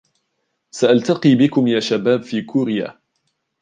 سألتقي بكم يا شباب في كوريا!